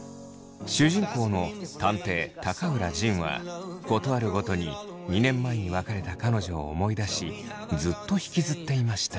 主人公の探偵高浦仁はことあるごとに２年前に別れた彼女を思い出しずっと引きずっていました。